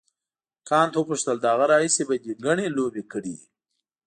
کانت وپوښتل له هغه راهیسې به دې ګڼې لوبې کړې وي.